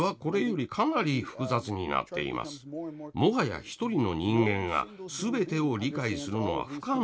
もはや一人の人間がすべてを理解するのは不可能なのです。